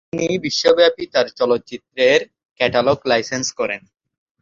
তিনি বিশ্বব্যাপী তার চলচ্চিত্রের ক্যাটালগ লাইসেন্স করেন।